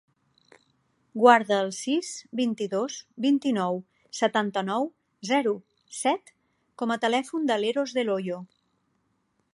Guarda el sis, vint-i-dos, vint-i-nou, setanta-nou, zero, set com a telèfon de l'Eros Del Hoyo.